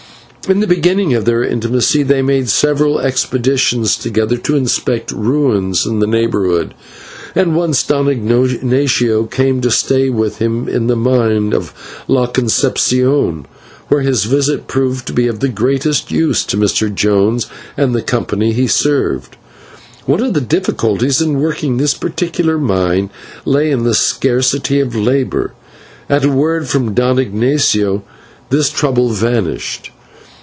In the beginning of their intimacy they made several expeditions together to inspect ruins in the neighbourhood, and once Don Ignatio came to stay with him at the mine of La Concepcion, where his visit proved of the greatest use to Mr. Jones and the company he served. One of the difficulties in working this particular mine lay in the scarcity of labour. At a word from Don Ignatio this trouble vanished.